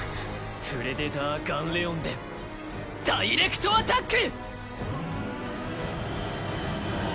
プレデター・ガンレオンでダイレクトアタック！